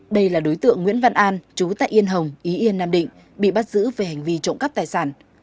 đây là đối tượng nguyễn văn an chú tại yên hồng ý yên nam định bị bắt giữ về hành vi trộm cắp tài sản